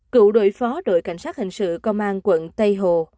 cựu đội phó đội cảnh sát hình sự công an quận tây hồ